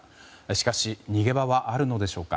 しかし、逃げ場はあるのでしょうか。